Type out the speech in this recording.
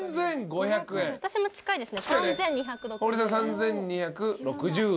３，２６０円。